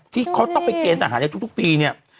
ที่เขาต้องไปเกณฑ์ตาหารทุกปี